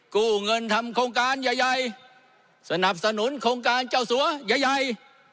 กู้เงินทำโครงการใหญ่สนับสนุนโครงการเจ้าสัวใหญ่